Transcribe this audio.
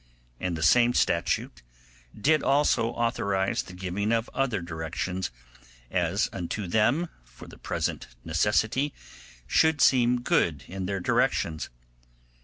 And the same statute did also authorise the giving of other directions, as unto them for the present necessity should seem good in their directions.